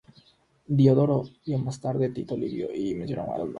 Diodoro y, más tarde, Tito Livio, la mencionan como una colonia de Tarento.